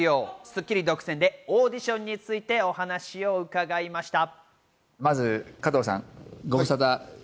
『スッキリ』独占でオーディションについてお話を伺いました。